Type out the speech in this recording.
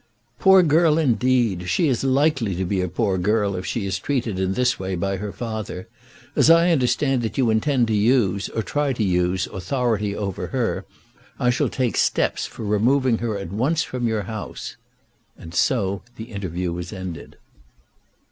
"Poor girl, indeed! She is likely to be a poor girl if she is treated in this way by her father. As I understand that you intend to use, or to try to use, authority over her, I shall take steps for removing her at once from your house." And so the interview was ended.